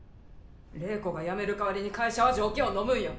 礼子がやめる代わりに会社は条件をのむんや。